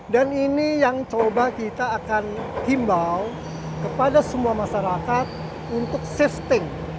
dan ini yang coba kita akan himbau kepada semua masyarakat untuk shifting